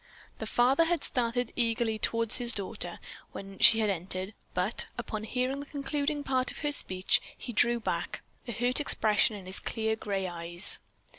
The father had started eagerly toward his daughter when she had entered, but, upon hearing the concluding part of her speech, he drew back, a hurt expression in his clear gray eyes.